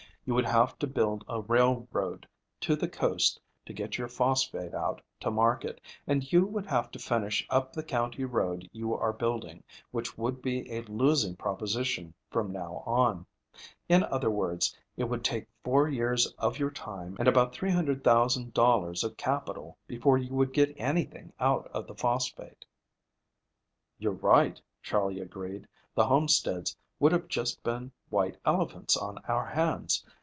You would have to build a railroad to the coast to get your phosphate out to market, and you would have to finish up the county road you are building, which would be a losing proposition from now on. In other words, it would take four years of your time, and about $300,000 of capital before you would get anything out of the phosphate." "You're right," Charley agreed. "The homesteads would have just been white elephants on our hands.